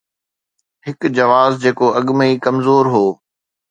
هڪ جواز جيڪو اڳ ۾ ئي ڪمزور هو.